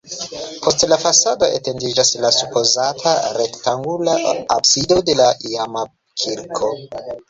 Post la fasado etendiĝas la supozata rektangula absido de la iama kirko.